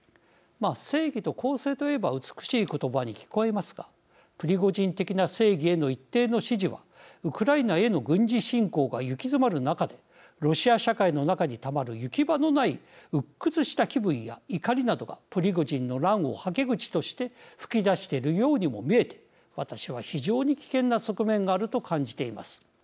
正義と公正と言えば美しい言葉に聞こえますがプリゴジン的な正義への一定の支持はウクライナへの軍事侵攻が行き詰まる中でロシア社会の中にたまる行き場のないうっ屈した気分や怒りなどがプリゴジンの乱を、はけ口として噴き出しているようにも見えて私は非常に危険な側面があると感じています。